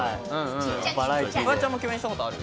フワちゃんも共演したことある。